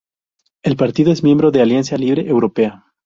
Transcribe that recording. El partido es miembro de Alianza Libre Europea.